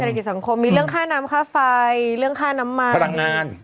กิจสังคมมีเรื่องค่าน้ำค่าไฟเรื่องค่าน้ำมันพลังงาน